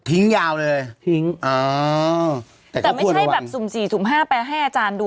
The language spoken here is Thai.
ทิ้งยาวเลยเลยอ๋อแต่เขาควรระวังแต่ไม่ใช่แบบสุ่ม๔สุ่ม๕แปลว่าให้อาจารย์ดู